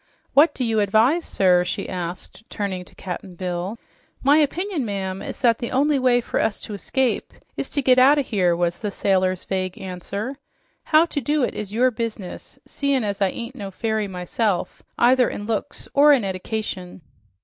What do you advise, sir?" she asked, turning to Cap'n Bill. "My opinion, ma'am, is that the only way for us to escape is to get out o' here," was the sailor's vague answer. "How to do it is your business, seein' as I ain't no fairy myself, either in looks or in eddication."